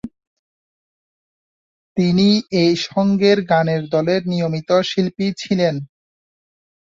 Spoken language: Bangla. তিনি এই সংঘের গানের দলের নিয়মিত শিল্পী ছিলেন।